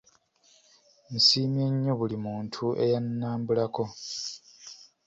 Nsiimye nnyo buli muntu eyannambulako.